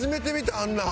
あんなん。